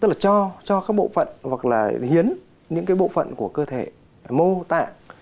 tức là cho các bộ phận hoặc là hiến những cái bộ phận của cơ thể mô tạng